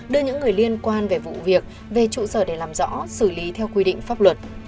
đưa những người liên quan về vụ việc về trụ sở để làm rõ xử lý theo quy định pháp luật